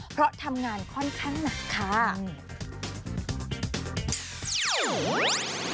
เพราะทำงานค่อนข้างหนักค่ะ